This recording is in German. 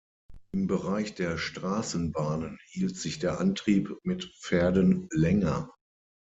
Im Bereich der Straßenbahnen hielt sich der Antrieb mit Pferden länger.